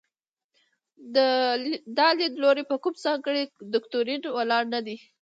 دا لیدلوری په کوم ځانګړي دوکتورین ولاړ نه دی.